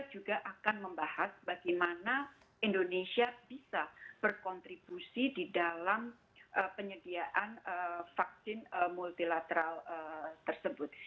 juga akan membahas bagaimana indonesia bisa berkontribusi di dalam penyediaan vaksin multilateral tersebut